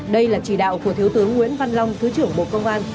đây là chỉ đạo của thiếu tướng nguyễn văn long thứ trưởng bộ công an